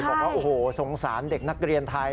บอกว่าโอ้โหสงสารเด็กนักเรียนไทย